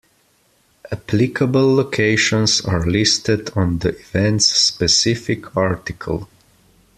Applicable locations are listed on the event's specific article.